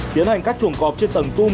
tiến hành cắt chuồng cọp trên tầng tung